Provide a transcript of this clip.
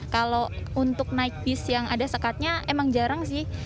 kalau untuk naik bis yang ada sekatnya emang jarang sih